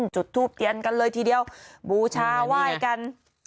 จุดทูปเตียนกันเลยทีเดียวบูชาไหว้กัน